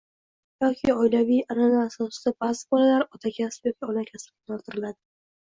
yoki oilaviy anʼana asosida baʼzan bolalar otakasb yoki onakasbga yo‘naltiriladi.